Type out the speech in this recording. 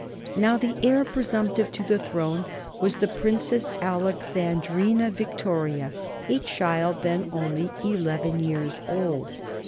Now the heir presumptive to the throne was the Princess Alexandrina Victoria, a child then only eleven years old.